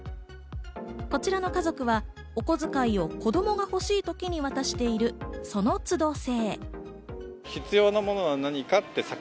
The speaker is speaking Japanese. こちらの家族はお小遣いを子供がほしいときに渡している、その都度制。